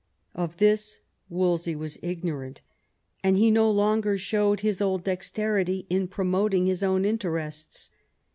Of this Wolsey was ignorant; and he no longer showed his old dexterity in promoting his own interests.